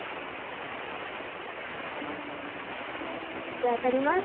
では撮ります。